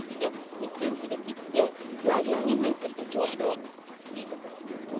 １ｃｍで切って素揚げを２分するとちょうどいい形になるのね。